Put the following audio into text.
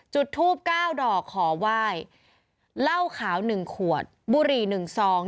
จุดทูบ๙ดอกขอไหว้เหล้าขาว๑ขวดบุหรี่๑ซอง